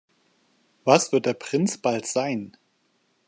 Was wird der Prinz bald sein?